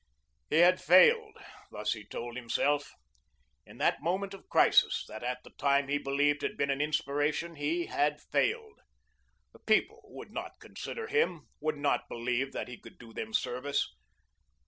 He had failed, thus he told himself. In that moment of crisis, that at the time he believed had been an inspiration, he had failed. The people would not consider him, would not believe that he could do them service.